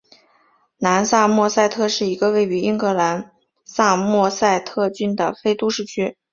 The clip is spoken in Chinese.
南萨默塞特是一个位于英格兰萨默塞特郡的非都市区。